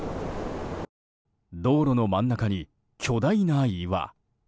道路の真ん中に巨大な岩。